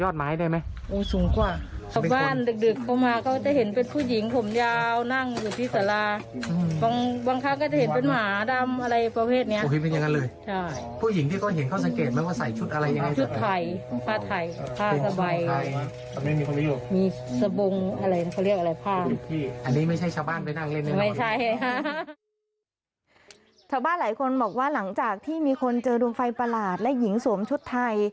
ชาวบ้านหลายคนบอกว่าหลังจากที่มีคนเจอดวงไฟประหลาดและหญิงสวมชุดไทย